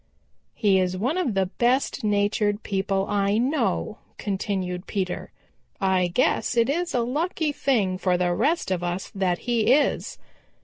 "He is one of the best natured people I know," continued Peter. "I guess it is a lucky thing for the rest of us that he is.